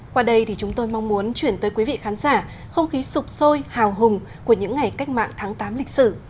qua đây thì chúng tôi mong muốn chuyển tới quý vị khán giả không khí sụp sôi hào hùng của những ngày cách mạng tháng tám lịch sử